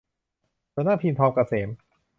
สำนักพิมพ์ทองเกษม